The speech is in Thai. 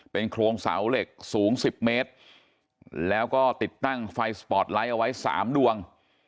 โครงเสาเหล็กสูง๑๐เมตรแล้วก็ติดตั้งไฟสปอร์ตไลท์เอาไว้๓ดวง